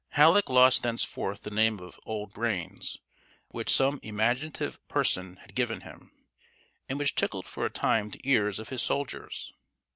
Halleck lost thenceforth the name of "Old Brains," which some imaginative person had given him, and which tickled for a time the ears of his soldiers.